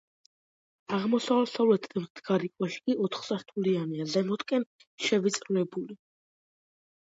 აღმოსავლეთით მდგარი კოშკი ოთხსართულიანია, ზემოთკენ შევიწროებული.